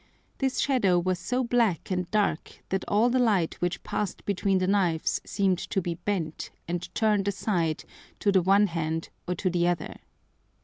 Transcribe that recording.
This Shadow was so black and dark that all the Light which passed between the Knives seem'd to be bent, and turn'd aside to the one hand or to the other.